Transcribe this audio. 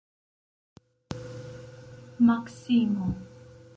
Maksimo!